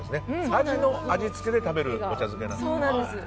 アジの味付けで食べるお茶漬けなんですね。